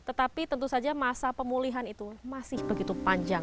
tetapi tentu saja masa pemulihan itu masih begitu panjang